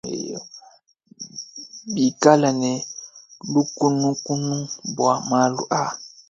Bikale ne lukunukunu bua malu aa.